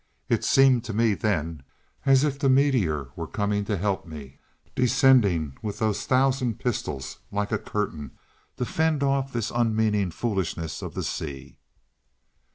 It seemed to me then as if the meteor was coming to help me, descending with those thousand pistols like a curtain to fend off this unmeaning foolishness of the sea.